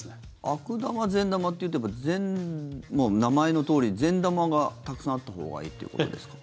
悪玉、善玉というとやっぱり名前のとおり善玉がたくさんあったほうがいいということですか？